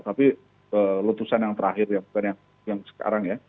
jadi lutusan yang terakhir bukan yang sekarang ya